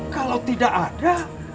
kalau tidak ada